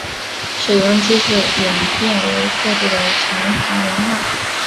水庸祭祀演变为各地的城隍文化。